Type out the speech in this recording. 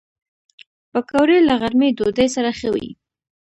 پکورې له غرمې ډوډۍ سره ښه وي